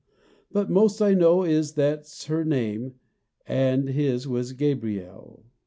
But most I know is, that's her name, And his was Gabriel.